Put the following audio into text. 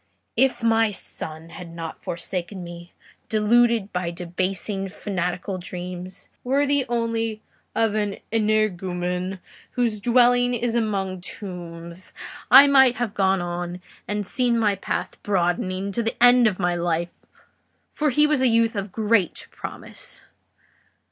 If my son had not forsaken me, deluded by debasing fanatical dreams, worthy only of an energumen whose dwelling is among tombs, I might have gone on and seen my path broadening to the end of my life; for he was a youth of great promise.